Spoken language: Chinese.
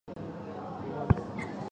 狠狠撞上红砖墙